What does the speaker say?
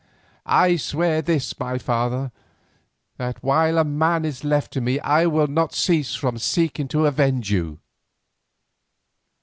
I swear this, my father, that while a man is left to me I will not cease from seeking to avenge you."